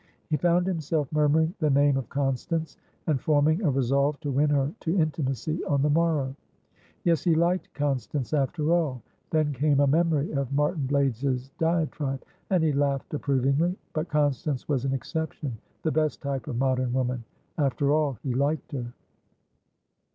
He found himself murmuring the name of Constance, and forming a resolve to win her to intimacy on the morrow. Yes, he liked Constance after all. Then came a memory of Martin Blaydes's diatribe, and he laughed approvingly. But Constance was an exception, the best type of modern woman. After all, he liked her.